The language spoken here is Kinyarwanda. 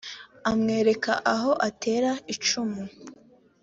amwereka aho atera icumu